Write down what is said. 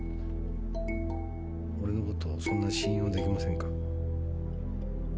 俺の事そんな信用できませんか。